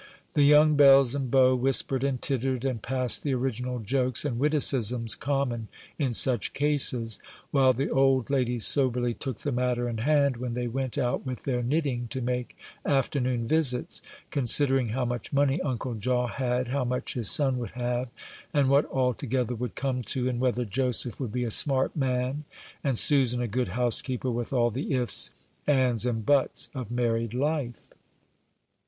The young belles and beaux whispered and tittered, and passed the original jokes and witticisms common in such cases, while the old ladies soberly took the matter in hand when they went out with their knitting to make afternoon visits, considering how much money Uncle Jaw had, how much his son would have, and what all together would come to, and whether Joseph would be a "smart man," and Susan a good housekeeper, with all the "ifs, ands, and buts" of married life.